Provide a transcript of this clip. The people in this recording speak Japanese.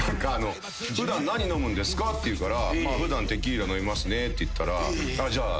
「普段何飲むんですか？」って言うから普段テキーラ飲みますねって言ったら「じゃあ用意しときます」